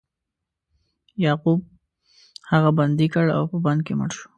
یعقوب هغه بندي کړ او په بند کې مړ شو.